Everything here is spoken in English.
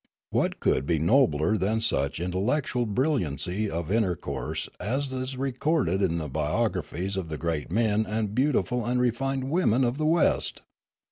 What could be nobler than such intellectual brilliancy of intercourse as is re corded in the biographies of the great men and beautiful and refined women of the West